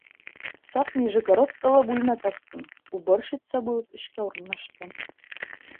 Саҡ Нижегородкала бүлмә таптым, уборщица булып эшкә урынлаштым.